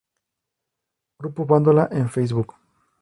Grupo Bandola en Facebook.